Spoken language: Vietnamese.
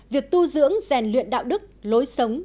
việc tu dưỡng rèn luyện đạo đức lối sống